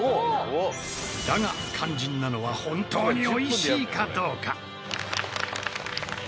だが肝心なのは本当においしいかどうか。